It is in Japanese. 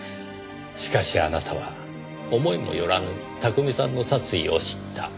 しかしあなたは思いもよらぬ巧さんの殺意を知った。